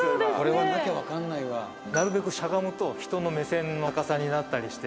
なるべくしゃがむと人の目線の高さになったりして。